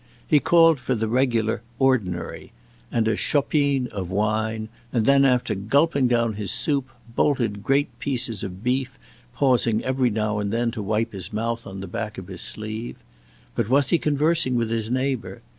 He called for the regular "ordinary" and a "chopine" of wine, and then, after gulping down his soup, bolted great pieces of beef, pausing every now and then to wipe his mouth on the back of his sleeve. But was he conversing with his neighbor?